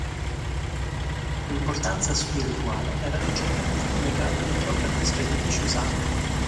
Importanza spirituale era leggermente collegabile proprio a questo edificio sacro.